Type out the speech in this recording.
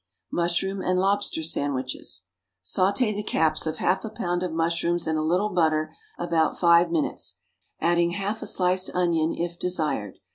=Mushroom and Lobster Sandwiches.= Sauté the caps of half a pound of mushrooms in a little butter about five minutes, adding half a sliced onion if desired.